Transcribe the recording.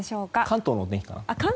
関東の天気かな？